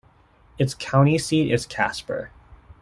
Its county seat is Casper.